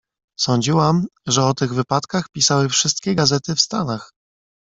"Sądziłam, że o tych wypadkach pisały wszystkie gazety w Stanach."